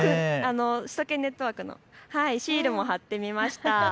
首都圏ネットワークのシールも貼ってみました。